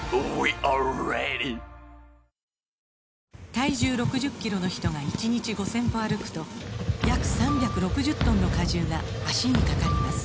体重６０キロの人が１日５０００歩歩くと約３６０トンの荷重が脚にかかります